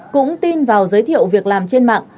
cũng tin vào giới thiệu việc làm trên mạng